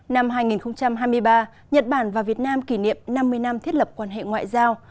năm hai nghìn hai mươi ba nhật bản và việt nam kỷ niệm năm mươi năm thiết lập quan hệ ngoại giao